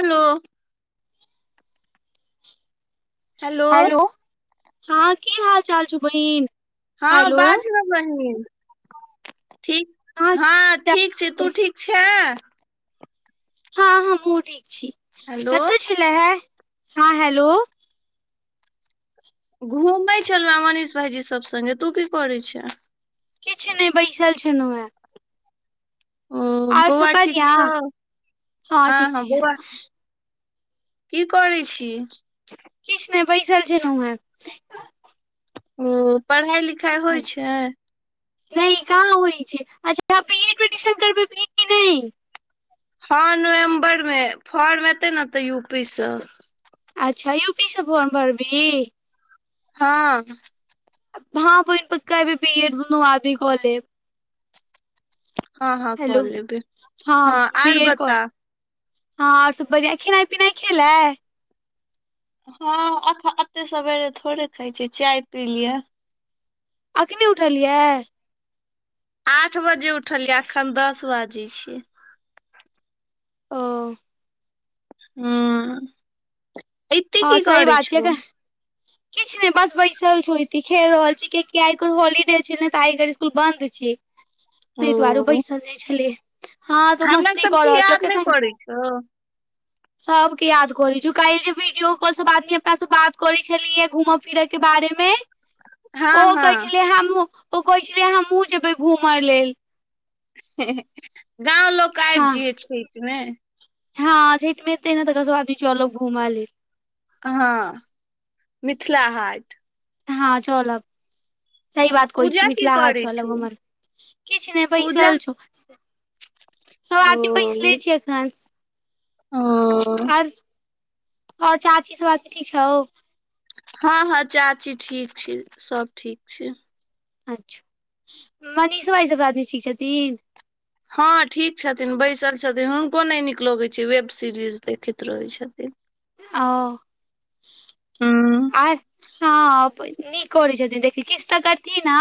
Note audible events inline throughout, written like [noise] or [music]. हलो hello हँ की हाल चाल छौ बहिन हँ हेलो बाज नऽ बहिन ठीक अहाँ की हँ हाल ठीक छी चाल तू छौ? ठीक छे हँ हमहुँ ठीक छी हेलो कतऽ छले हे हँ हेलो घूमै छलहु मनीष भाईजी सब संग्गे तू की करै छेय किछु नहि बैसल छलहुँ हेँ ओ आओर सब बौआ ठीक बढ़ियां छौ हँ ठीक छिये की करै छी किछु नहि बैसल छलहु हँं ओ पढ़ाई लिखाई होइ छै नहि कहाँ होइ छै अच्छा एडमिशन करैबे की नहि हॅ नवम्बर मे फर्म एते ने तऽ यू पी सऽ अच्छा यू पी सँ फोर्म भरबिही हँ हँ बहिन पका एबेर बीएड दुनू आदमी कऽ लेब हँ हँ कऽ हेलो लेबै हँ बी आर एड क बता लेब हँ आओर सभ बढ़िआँ खेनाइ पिनाइ खेलए हँ एते सेरे थोड़े खाइ छी चाय पी लिअ अखनी उठल यै आठ बजे उठलियै अखन दस बाजै छियै ओ उ एते की करै छ छो किछ नय बस बैसल छौ खेल रहल छी कियकि आइ एकर हॉलीडे छै ने तऽ आ इ स्कुल बन्द छी तै दुआरो ओ पैसन नइ छलै हँ तू हमरा मस्ती क सबके रहल छ याद ओके नहि स करै छौ सबके याद करय छु काइले ब सब आदमी अपना सब बात करे छलियै घूमऽ फिरऽ के बारे मे हँ ओ कहै हँ छलय हमहु ओ कहै छलय हमहुँ जेबै घूम लेल गाँव लोक आइब हँ जइहे छइठमे हँ छइठ में एतै ने तऽ कस बाबी चलक घूममाल हँ मिथिला हाट हँ चलब सही हँ बात कहइ छी पूजा की मिथिला हाट करै चलब छौ हमर किछ नय पूजा बैसल छौ सो आती बैस ले ओ छियै अखन ओ आर ओर चाची सब आदमी ठीक छौ हँ हँ चाची ठीक छी सब ठीक छै अच्छा मनीषो [unintelligible] क छथिन हँ ठीक छथिन बैसल छथिन हुनको नय नीक लगै छै वेब सीरीज देखैत रहैत छथिन आओ हं आय हँ नीक करै छथिन देख किछुतऽ करथि न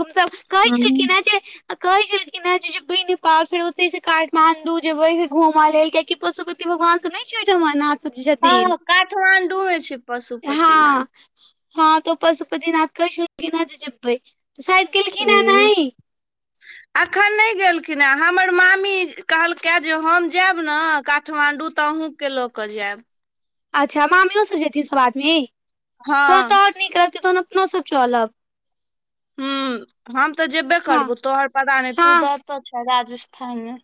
कुमसब कहइ छलखिन हैं जे कहै छलखिन हैं जेबै नेपाल फेर ओते से काठमाण्डू जेबे फेर घूम लेल कियाकि ओ सब भगवान सब नय छय ओय ठमन नाच सब जे हँ छथिन काठमाण्डू होइ छै हँ पशुपतिनाथ हँ तऽ पशुपतिनाथ कहइ छलखिन हैं जे जेबइ साइद गेलखिन हैं नइ ह एखन नइ गेलखिन हेँ हमर मामी कहलकै जे हम जायब ने काठमाण्डू तऽ अहूँ के लक जैब अच्छा मामियोसब जेथिन सब आदमी तहन हँ तऽ ओर नीक रहतै तहन अपनोसब चलब हं हम तऽ जेबे हँ करबो तोहर पता नहि तू हँ ततऽ छ राजस्थान मे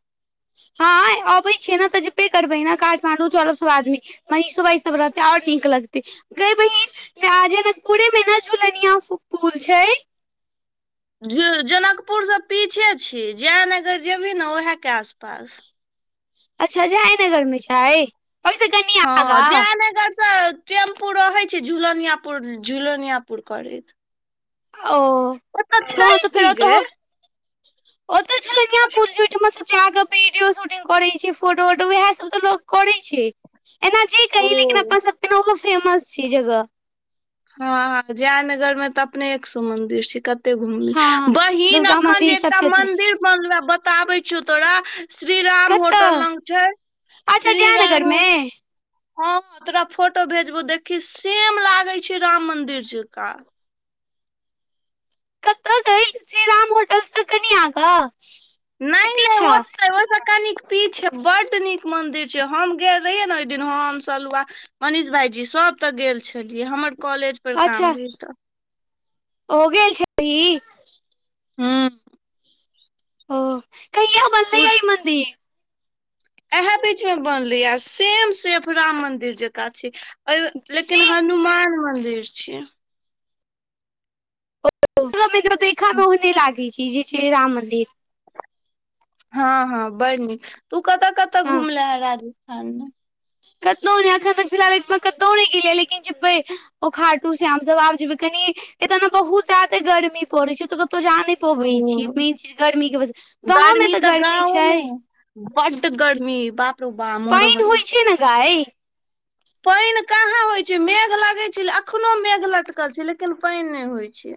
हँ अबै छैै ने त जेबे करबे ने काठमाण्डू चल सब आदमी महिषो भाइ सब रहतेै आर नीक लगतै कई बहिन जनकपुरे में ने झूलनिया पूल छै ज जनकपुरसँ पीछे छय जयनगर जेबही ने उएहके आसपास अच्छा जयनगरमे छय हँ जा नय करस टेम्पू रहय छै झूलनिया पुर झूलनिया पुर करैत ओ ओतऽ छै तहन तऽ की फेर त छै जाक वीडियो शूटिंग करे छै फोटो वटो वएह सब त लोग करे छै एना जे कही लेकिन ओ अप सबके ने ओहो फेमस छी जगह हँ जय नगर में तऽ अपने एक सो मंदिर छै कत ते घुम हँ बहिन दुर्गा अखन मंदिर जे सब एकटा छथिन मंदिर बनल बताबै छौ तोरा श्री राम कतऽ होटल लंग छै अच्छा श्री जयनगर राम हो मे हँ तोरा फोटो भेजबौ देखी सेम लागे छै राम मंदिर ज का कि गे श्री राम होटल से कनि आगे की पीछा पी छै बड नीक मंदिर छै हम गेल रहियै ने ओहि दिन हम सब मनीष भाईजी सभ तऽ गेल छलियै हमर कॉलेज पर काम अच्छा रहै तऽ हो गेल छैी हँ ओ कहिय बले आइ मन्दि इएहे बीच में बनले य सेम सेफ राम मंदिर जका छै अ लेकिन से हनुमान मंदिर छीिय ओ म तर देखयमे ओहने लागैत छै जे छै राम मन्दिर हँ हँ बड़ नीक तू कतऽ कतऽ हँ घुमले है राजस्थान मे कतनोनी अखन तक फिलहाल एक कतहु नहि गेलियै लेकिन उखाटू से हम सब आब जेबै कनि एते ने बहुत जादे गर्मी पड़े छैतऽ कतौ जे पबैत छियै ओ मेन चीज गर्मीके वजह गाँवमे तऽ गर्मी छै बड गरमी बाप रौ बा मरऽ पानन बला होइ छै ने गाय पानि कहाँ होइ छै मेघ लगै छै अखनो मेघ लटकल छै लेकिन पानि नहि होइत छै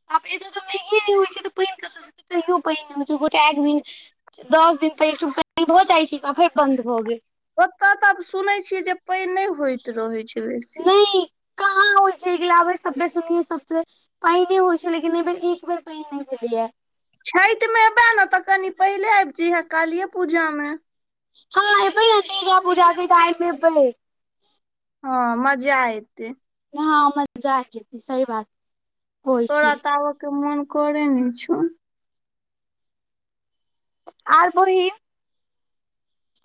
[inaudible] त प कह पानन गो एक दिन दस दिन पहिल चु भ जाइ छै क फेर बन्द भ गेल ओतय तऽ आब सुनै छियै जे पान नहि होइत रहे छै बेसी नहि कहाँ होइ छै एकगिलबर सबने सुनिये सबसँ पहि नहि होइ छै लेकिन बेर एक बेर पै नहि मीऐ छठि मे एबै ने तऽ कनि पहिले आबि जहे कालीे पूजा मे हँ एै नतगा पूजा के टाइम मे भै हँ मजा ऐतै हँ मजा तो ऐतय तोरा तऽ आबय के मोन करे ने छौ आर बहीन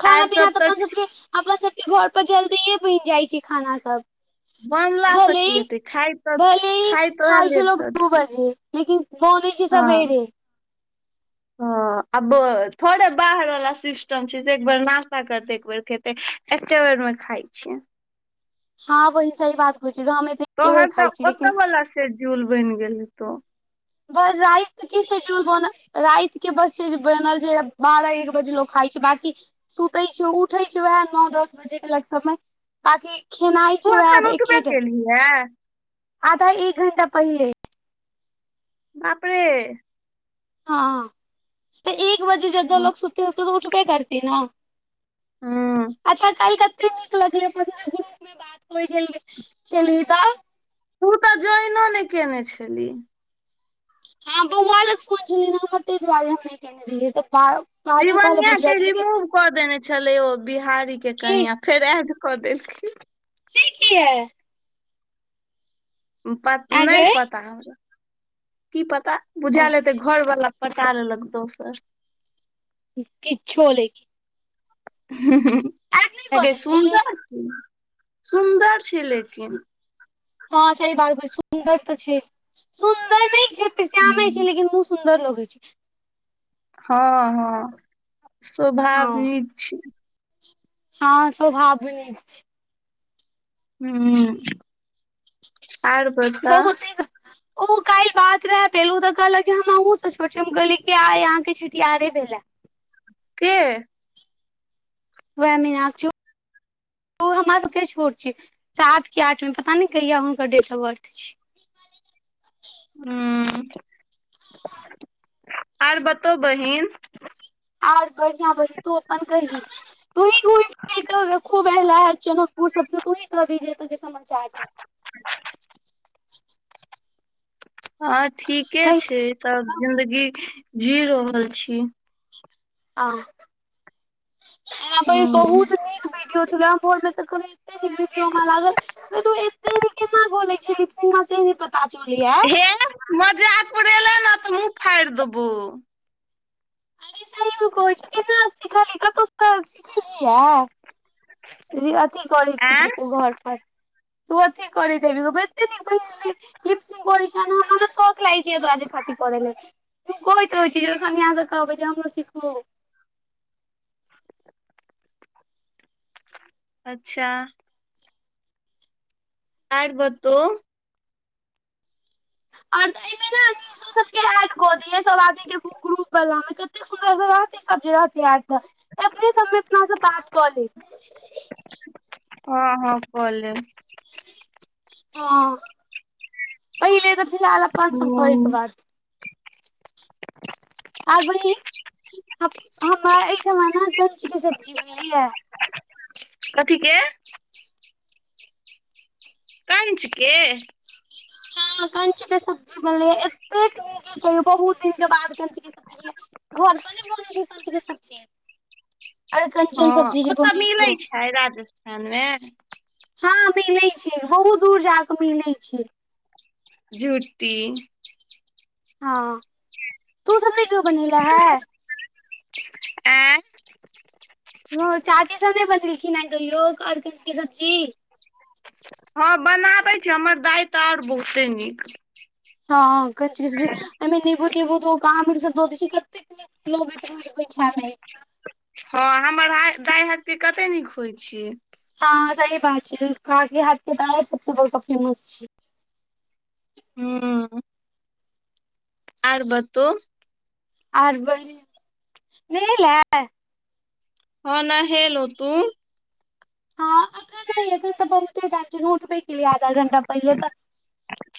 खाना आर पीना सब तऽ अपन सभके अपन सभके घर पर जल्दीए बनि जाइत छै खाना सभ बनला से भल की हेतै खाय तऽ भल खाय तऽ खा उएह छै लेट लोक सँ दू दियौ बजे लेकिन बोलजी हँ सबबेेरे हँ आब थोड़े बाहर वाला सिस्टम छै जे एक बेर नास्ता करते एक बेर खेते एके बेर में खा अच्छा हँ बहि सही बात कह छी त तोहर तऽ ओत वाला सेडूल बनि गेल हे तो बस जाइ की सेड्यूल बनल रातति के बस छै जे बनल जे बारह एक बजे लोग खाइ छै बकी सुते छै उठे छै वएह नओ दस बजे के लग समय बाकि खेनाइ तू छै एखन व उठबे एके केलहिये आध एक घंटा पहिल बापड़े हँ तऽ एक बजे जदो लो सुततते तऽ उठबे करते न हँ अच्छा क कते नीक लगले गुप मे बात कोइ चल तऽ तू तऽ जोइनो नहि केने छलीह हँ बौआ लक फोन छलल हमर ताहि दुआरे हम नहि केने रहियै तऽ बादमे कहलक तिवनिया बुझिया के जी कि रिमूव कऽ देने छलै ओ बिहारी के की कनिया फेर एह त कऽदेल ची की है आ नहि गए पता हमरा की पता ओ बुझायलेते घरवला पटाल लगतौ सर किछु लैेकी नहि कऽ ह देलही सुन्दर छै सुन्दर छै लेकिन हँ सही बात सुन्दर तऽ छै सुन्दर नहि छै पश्याम छै लेकिन मु सुन्दर लगै छै हँ हँ हँ स्वभाव निक छै हँ स भाव नहि छी ह्म आर बड़ छै। तऽ बहुत नीक ओ काल्हि बात रहे पहिलु तऽ कहलक हम अहहुँ से छोट कहली आइ अहाँके छिटियहारारे भेले के वएह मीना चौ ओ हमरा सभके छोट छी सातके आठमे पता नहि कहिया हुनकर डेट ऑफ बर्थ छै ह आर बतउ बहिन आओर बढ़िआ बनि तू अपन कहि तू खब ल ह जनकपुर सबसँ तूही कहबी एत समाचार सब हँं ठीके कहि छै त जिंदगी जी रहल छी आ यहप हूँ बहुत नीक भीडियो छलो त दप लागलू एतेी केना गोले छ दीप सिंा से पता चल य मजापुर एलै ने तऽ मुँह फाड़ि देबौ अरे स बोल चुी न सिखा लेा त क सिखइ है अथी करी आँ देबी तू घर पर तू अथी कर देबी एे नहि पसि ने हमरा शख लाग छै त आज खाती कर त कहैत रहै छी जेहाँ से कहबै जे हमर सिखू [inaudible] अच्छा और बात और एहिमे ने सबड कऽ दिय सब आदमी के ग्रुप बला मे कते सुन्दर रहतै सब रहत त अपने सबमे अपना से बात कऽ ले हँ हँ भ जेते ह पहिले तऽ फहाल अपन ह सब होयके बाद आर बहि हमरा एहिठाम ने कल्चीे सब्जी बझलियै कथिक कञ्चिक हँ कंच के सब्जी बनले एतेक नीक कहियौ बहुत दिन के बाद कञचकेी सब्जी घर पर नहि बन छै कञचकेी सब्जी अरे हँ कंचन सब्जी जे ओ तऽ बनै छौ मिलैत छै राजस्थानमे हँ मिलैत छै बहुत दूर जााके मिलैत छै झूटी हँ तू सबने केो बनेल है ऐं चाची सब नय बनेलखिन हैं कहियो अरकंच के सब्जी हँ बनाबे छय हमर दायित आऔर बहुते नीक हँ कंच के सब्जी आइमें नेबो तेबो ध क आमिल सब ध दइ छय कटेक नीक लो भी तरूज बैठामे हँ हमर हा दाय हाथ के कते नीक होइ छिय हँ सही बात छै काकी हाथ के त आर सबस बड़ फेमस छी हूँ आर बतो आर बरी नेहेलै हँ नहेलउ तूँ हँ अगर नय हेतइ तऽ बहुते टाइम छै मु उठबे के लिये आधा घण्टा पहिले तऽ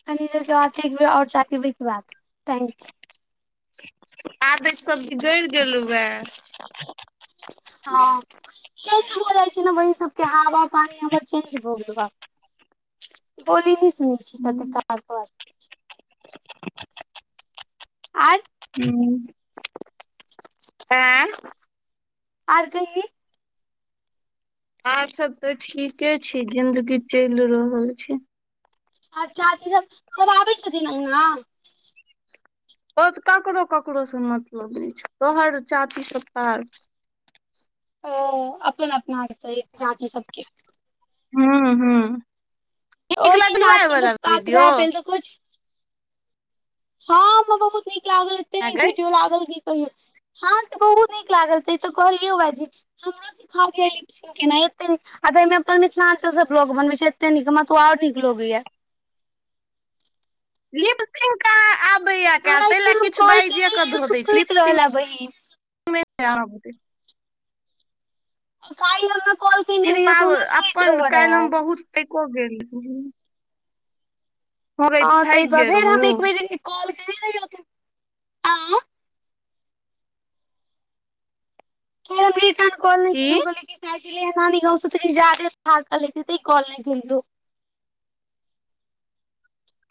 कनि देरके बाद एकब ओर चाय पीबैके बात थैंक यू आदक सबजी जड़ गेलहुए हँ चेंज भऽ जाइ छै ने वही सबके हवा पानी हमर चेंज भऽ गेल बा बोल ने सुने छी कत तपर आठ ऐं आर कहि आर सब तऽ ठीके छै जिंन्दगी चइल रहल छै आ चाची सब सब आबै छथिन अंगना ककरो ककरो स मतलब नय छै तोर चाची सब त आर ओ अपन अपनातै चाची सबके हं हं नीक लगलउ ए ओ वला वीडियो त कुछ हँ हमरा बहुत नीक लागल एते नीक अगर वीडियो लागल गी कहि हँ तऽ बहुत नीक लागल तैं तऽ कहलियौ ए जे हमरो सिखा दियही लीप सिंह केनाइ एते नी आ तऽ एहिमें अपन मिथिलांचल से ब्लॉग बनबे छै एते नीक हमरा तो आर नीक लगेया लिपसिंग कहाँ आबैया काल्हि तहि राति ल हम किछ कॉल बाइजे केने कऽ रहियौ धऽ तऽ दै छी सुति लिपसिंग रहले बहिन त [inaudible] काइल ओना कॉल तू केने रहियौ तऽ आब ओना सुति अपन रह काल्हि रहे हम बहुत एको गेल हो गई हँ थाकि तय दुआ गेल फेर रहू हम एक बेरिन कॉल केने रहियौ की फेर हम रिटर्न कॉल नै की केलियउ [unintelligible] आय गेलय नानी गाँं से त जादे थाकले ते कलनलु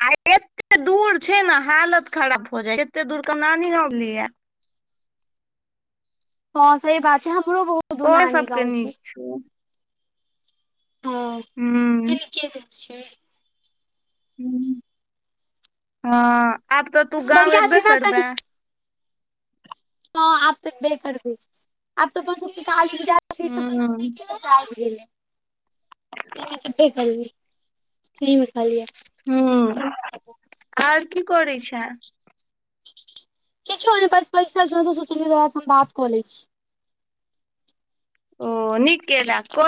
आ एत्ते दूर छै न हालत खराब हो जाय छै एत्ते दूर क नानी गाँव भेलइयै हँ से बात छै हमरो बहुत दूर नानी गाँव छी चोन हं हूँ [unintelligible] हं हँ आब तऽ तू गाँव बढ़िया एबे छै ने करबै कनि हँ आप तऽ बे कर भी आ ब काली छ सब हूँ नजदीकी आबि गेलय तैं में त एबे करबइ सही में कहलियै हूंम्म आर की करै छे किछो नहि बस बैसल छेलौं तऽ सोंचलियै एहे सब बात कऽ लै छी ओ नीक केले कोल